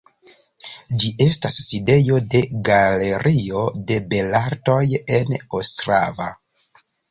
Ĝi estas sidejo de Galerio de belartoj en Ostrava.